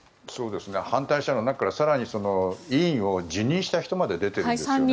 反対者の中から更に委員を辞任した人まで出てるんですね。